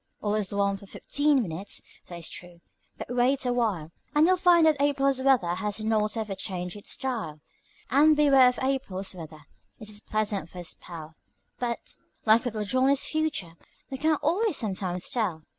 All is warmth for fifteen minutes, that is true; but wait awhile, And you'll find that April's weather has not ever changed its style; And beware of April's weather, it is pleasant for a spell, But, like little Johnny's future, you can't always sometimes tell.